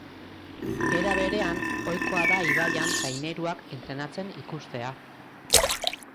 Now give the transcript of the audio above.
Era berean, ohikoa da ibaian traineruak entrenatzen ikustea.